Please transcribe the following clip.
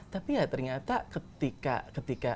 tapi ya ternyata ketika